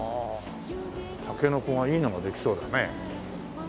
たけのこがいいのができそうだね。